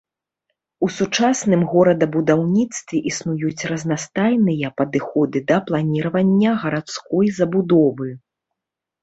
У сучасным горадабудаўніцтве існуюць разнастайныя падыходы да планіравання гарадской забудовы.